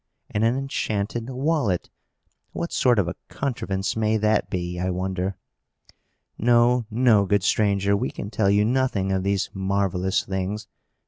And an enchanted wallet! What sort of a contrivance may that be, I wonder? No, no, good stranger! we can tell you nothing of these marvellous things.